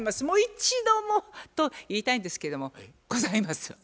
もう一度もと言いたいんですけどもございます。